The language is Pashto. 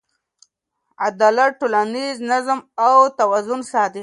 عدالت ټولنیز نظم او توازن ساتي.